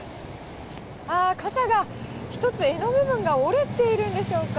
ああ、傘が１つ、柄の部分が折れているんでしょうか。